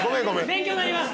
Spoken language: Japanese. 勉強になります！